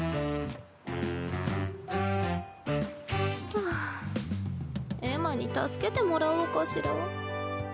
ハァエマに助けてもらおうかしら。